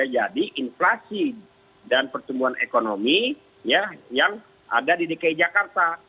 jadi inflasi dan pertumbuhan ekonomi yang ada di dki jakarta